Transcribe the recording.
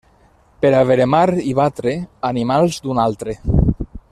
Per a veremar i batre, animals d'un altre.